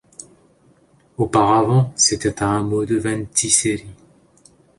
Auparavant, c'était un hameau de Ventiseri.